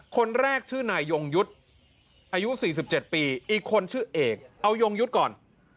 คนแรกชื่อนายยงยุทธ์อายุ๔๗ปีอีกคนชื่อเอกเอายงยุทธ์ก่อน